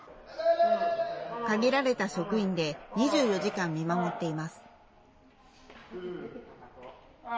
限られた職員で２４時間見守っています。